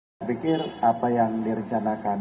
saya pikir apa yang direncanakan